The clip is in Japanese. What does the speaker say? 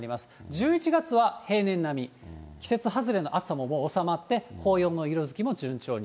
１１月は平年並み、季節外れの暑さももう収まって、紅葉の色づきも順調に。